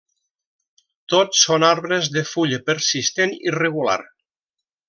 Tots són arbres de fulla persistent i regular.